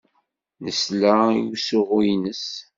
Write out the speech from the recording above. Nesla i usuɣu-nnes.